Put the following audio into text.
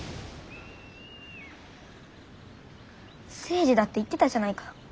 誠司だって言ってたじゃないか。